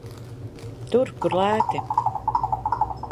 Tur, kur lēti.